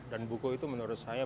dan buku itu menurut saya